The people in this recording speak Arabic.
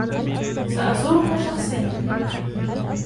سأزورك شخصياً.